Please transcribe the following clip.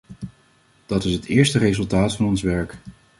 Dat is het eerste resultaat van ons werk.